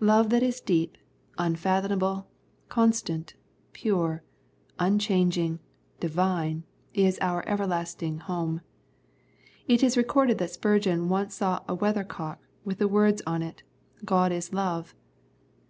Love that is deep, unfathomable, constant, pure, unchanging, Divine, is our everlasting home. It is recorded that Spurgeon once saw a weathercock with the words on it, " God is love."